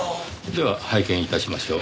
では拝見致しましょう。